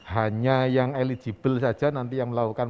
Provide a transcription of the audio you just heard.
hanya yang eligible saja nanti yang melakukan